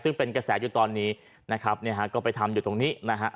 ซึ่งเป็นกระแสจุดตอนนี้ก็ไปทำอยู่ตรงนี้